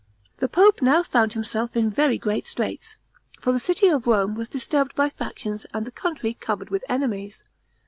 The pope now found himself in very great straits; for the city of Rome was disturbed by factions and the country covered with enemies.